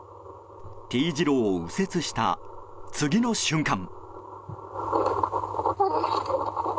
Ｔ字路を右折した次の瞬間。